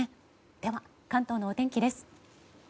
では、関東のお天気です。